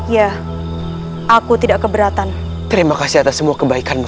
ya aku tidak keberatan terima kasih atas semua kebaikanmu